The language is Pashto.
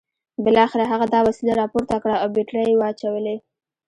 بالاخره هغه دا وسیله راپورته کړه او بیټرۍ یې واچولې